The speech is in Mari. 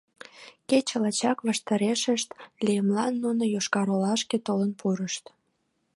Кече лачак ваштарешышт лиймылан нуно Йошкар-Олашке толын пурышт.